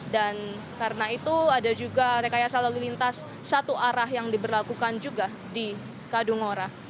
dan karena itu ada juga rekayasa lalu lintas satu arah yang diberlakukan juga di kadungora